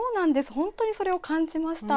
本当にそれを感じました。